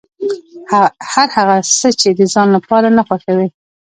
هر هغه څه چې د ځان لپاره نه خوښوې.